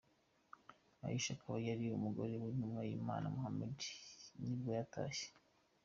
Aisha, akaba yari umugore w’intumwa y’Imana Mohammed nibwo yatashye.